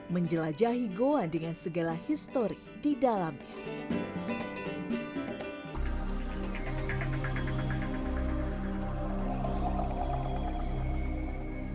menjelajahi goa dengan segala histori di dalamnya